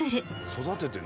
育ててる。